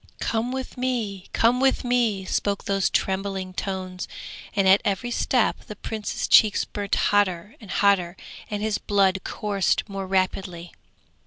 'Come with me, come with me,' spoke those trembling tones, and at every step the Prince's cheeks burnt hotter and hotter and his blood coursed more rapidly.